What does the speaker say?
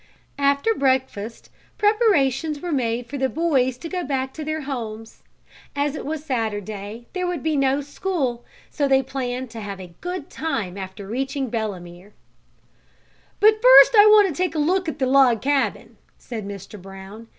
After breakfast preparations were made for the boys to go back to their homes. As it was Saturday there would be no school, so they planned to have a good time after reaching Belemere. "But first I want to take a look at the log cabin," said Mr. Brown.